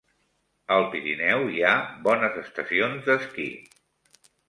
Al Pirineu hi ha bones estacions d'esquí.